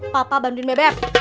papa bantuin bebep